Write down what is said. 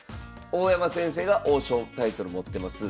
大山先生が王将タイトル持ってます。